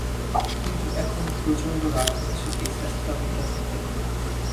কিন্তু এখন প্রচন্ড রাগ হচ্ছে এই ছ্যাচরামি টা দেখে!